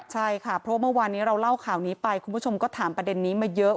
ใช่ค่ะเพราะว่าเมื่อวานนี้เราเล่าข่าวนี้ไปคุณผู้ชมก็ถามประเด็นนี้มาเยอะ